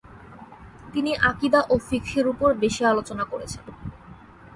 তিনি আকিদা ও ফিকহের উপর বেশি আলোচনা করেছেন।